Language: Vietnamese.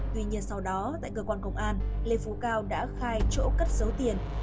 tuy nhiên sau đó tại cơ quan công an lê phú cao đã khai chỗ cất dấu tiền